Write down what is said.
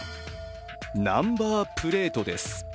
ナンバープレートです。